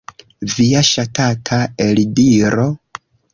Via ŝatata eldiro?